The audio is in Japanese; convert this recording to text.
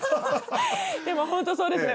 でもホントそうですね